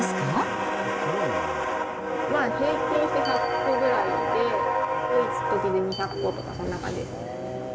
ちなみに、平均して１００個ぐらいで、多いときで２００個とか、そんな感じですね。